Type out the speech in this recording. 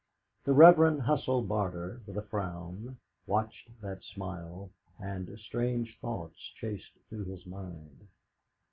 The Reverend Husell Barter with a frown watched that smile, and strange thoughts chased through his mind.